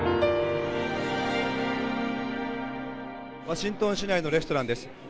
ワシントン市内のレストランです。